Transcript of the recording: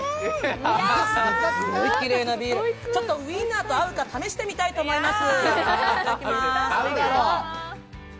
ウインナーと合うか試してみたいと思います。